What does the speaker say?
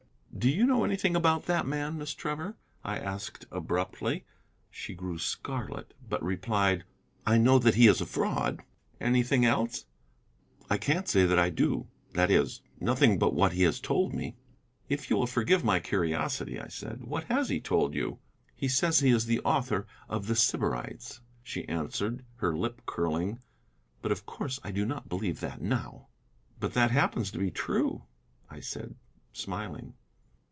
"Do you know anything about that man, Miss Trevor?" I asked abruptly. She grew scarlet, but replied: "I know that he is a fraud." "Anything else?" "I can't say that I do; that is, nothing but what he has told me." "If you will forgive my curiosity," I said, "what has he told you?" "He says he is the author of The Sybarites," she answered, her lip curling, "but of course I do not believe that, now." "But that happens to be true," I said, smiling.